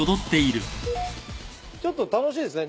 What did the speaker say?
ちょっと楽しいですね。